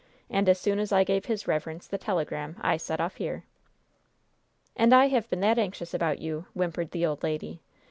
And as soon as I gave his reverence the telegram I set off here!" "And I have been that anxious about you!" whimpered the old lady.